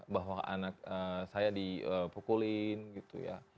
bahwa anak saya dipukulin gitu ya